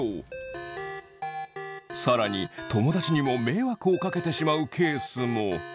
さらに友達にも迷惑をかけてしまうケースも。